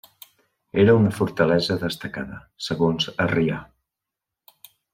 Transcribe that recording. Era una fortalesa destacada, segons Arrià.